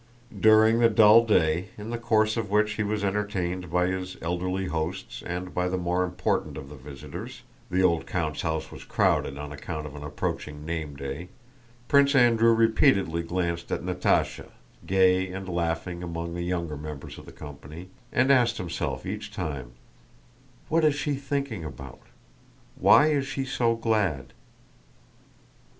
During the dull day, in the course of which he was entertained by his elderly hosts and by the more important of the visitors (the old count's house was crowded on account of an approaching name day), Prince Andrew repeatedly glanced at Natásha, gay and laughing among the younger members of the company, and asked himself each time, "What is she thinking about? Why is she so glad?"